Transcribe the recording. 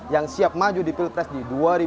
yang siap maju di pilpres di dua ribu dua puluh